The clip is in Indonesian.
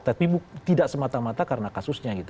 tapi tidak semata mata karena kasusnya gitu